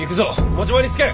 持ち場につけ！